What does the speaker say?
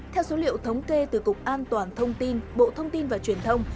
theo số liệu thống kê từ cục an toàn thông tin bộ thông tin và truyền thông